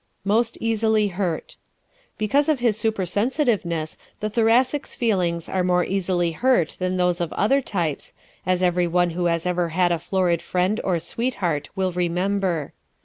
Most Easily Hurt ¶ Because of his supersensitiveness the Thoracic's feelings are more easily hurt than those of other types, as every one who has ever had a florid friend or sweetheart will remember.